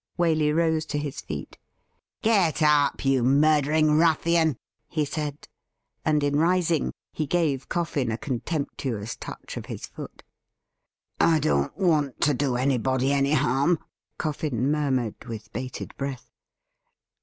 Waley rose to his feet. ' Get up, you murdering ruffian !' he said. And in rising he gave Coffin a contemptuous touch of his foot. ' I don't want to do anybody any harm,' Coffin murmured, with bated breath.